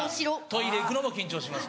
トイレ行くのも緊張します。